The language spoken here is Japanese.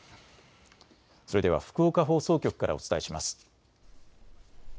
それでは福岡放送局からお伝えします。